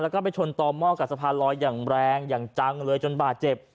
แล้วก็ไปชนต่อหม้อกับสะพานลอยอย่างแรงอย่างจังเลยจนบาดเจ็บ